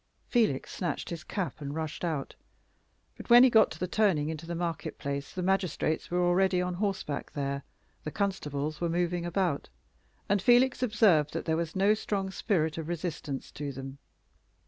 Felix snatched his cap and rushed out. But when he got to the turning into the market place the magistrates were already on horseback there, the constables were moving about, and Felix observed that there was no strong spirit of resistance to them.